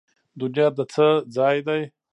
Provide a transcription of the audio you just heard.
دنیا د څه ځای دی؟